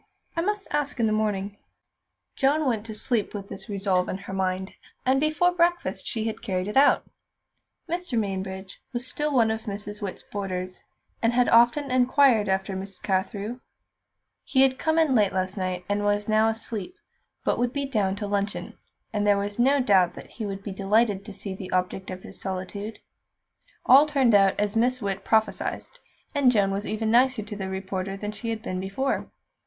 I must ask in the morning." Joan went to sleep with this resolve in her mind, and before breakfast she had carried it out. Mr. Mainbridge was still one of Miss Witt's boarders, and had often inquired after Miss Carthew. He had come in late last night, was now asleep, but would be down to luncheon, and there was no doubt that he would be delighted to see the object of his solicitude. All turned out as Miss Witt prophesied, and Joan was even nicer to the reporter than she had been before.